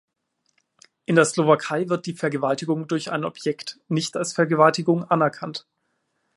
In der Slowakei wird die Vergewaltigung durch ein Objekt nicht als Vergewaltigung anerkannt.